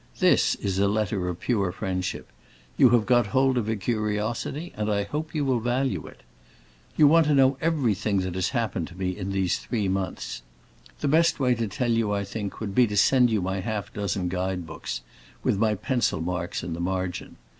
This is a letter of pure friendship; you have got hold of a curiosity, and I hope you will value it. You want to know everything that has happened to me these three months. The best way to tell you, I think, would be to send you my half dozen guide books, with my pencil marks in the margin.